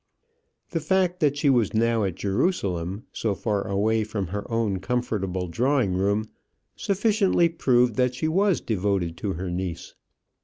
The fact that she was now at Jerusalem, so far away from her own comfortable drawing room, sufficiently proved that she was devoted to her niece.